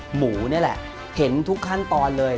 หมูนี่แหละเห็นคั้นเลย